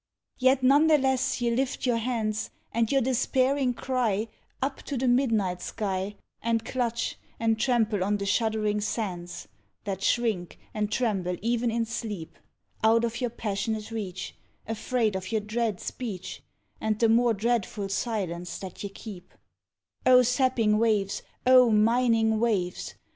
Yet none the less ye lift your hands, And your despairing cry Up to the midnight sky, And clutch, and trample on the shuddering sands, That shrink and tremble even in sleep, Out of your passionate reach, Afraid of your dread speech, And the more dreadful silence that ye keep Oh sapping waves! oh mining waves!